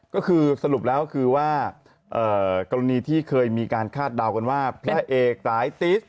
ก็คือสรุปแล้วคือว่ากรณีที่เคยมีการคาดเดากันว่าพระเอกสายติส